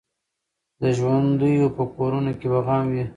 د ژوندیو په کورونو کي به غم وي